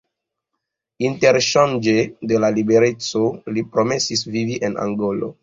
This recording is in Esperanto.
Interŝanĝe de la libereco, li promesis vivi en Angolo.